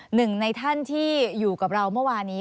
หนึ่งในท่านที่อยู่กับเราเมื่อวานี้